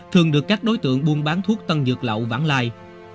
thường được các đối tượng buôn bán thuốc tân dược lậu vãng lai